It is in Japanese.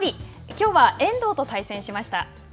きょうは遠藤と対戦しました。